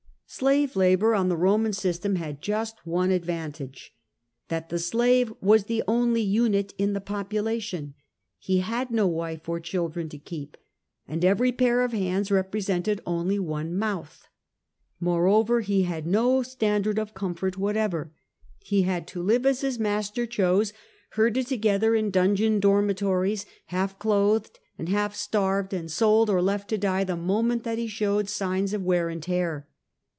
Slave labour on the Roman system had just one advan tage — that the slave was the only unit in the population ; he had no wife or children to keep, and every pair of hands represented only one mouth. Moreover, he had no standard of comfort whatever ; he had to live as his THE RISE OF RANCHING 19 master chose, herded together in dungeon dormitories, half clothed and half starved, and sold, or left to die, the moment that he showed signs of wear and tear.